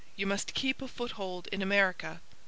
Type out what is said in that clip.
'You must keep a foothold in America.'